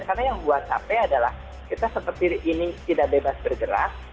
karena yang buat capek adalah kita seperti ini tidak bebas bergerak